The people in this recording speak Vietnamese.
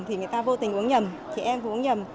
thì người ta vô tình uống nhầm chị em vô tình uống nhầm